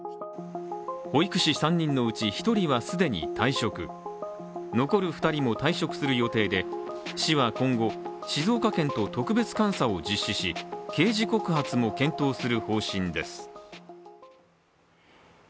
保育士３人のうち１人は既に退職残る２人も退職する予定で市は今後、静岡県と特別監査を実施し刑事告発も検討する方針です。